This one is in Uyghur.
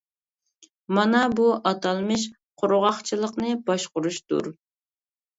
مانا بۇ ئاتالمىش «قۇرغاقچىلىقنى باشقۇرۇش» دۇر.